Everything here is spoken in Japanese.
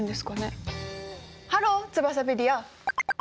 ハローツバサペディア。